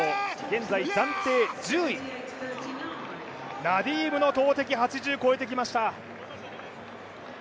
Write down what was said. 現在暫定１０位、ナディームの投てき、８０を越えてきました。